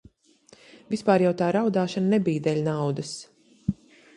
Vispār jau tā raudāšana nebija dēļ naudas.